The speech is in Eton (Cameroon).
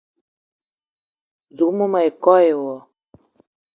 Zouk mou ma yi koo e wo